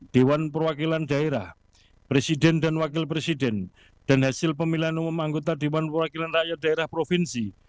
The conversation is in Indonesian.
dewan perwakilan daerah presiden dan wakil presiden dan hasil pemilihan umum anggota dewan perwakilan rakyat daerah provinsi